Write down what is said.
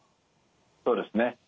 そうですね。